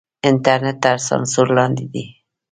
انټرنېټ تر سانسور لاندې دی.